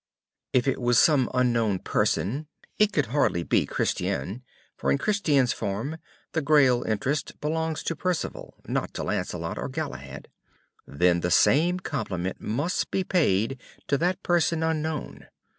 If it was some unknown person (it could hardly be Chrestien, for in Chrestien's form the Graal interest belongs to Percevale, not to Lancelot or Galahad), then the same compliment must be paid to that person unknown.